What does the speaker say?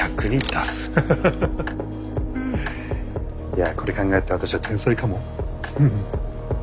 いやこれ考えた私は天才かも。